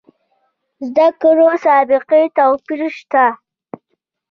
زده کړو سابقې توپیر شته.